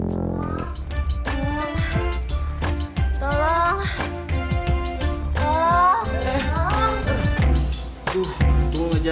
serius juga ya